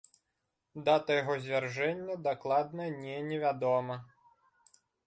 Дата яго звяржэння дакладна не невядома.